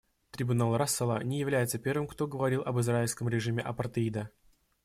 Трибунал Рассела не является первым, кто говорил об израильском режиме апартеида.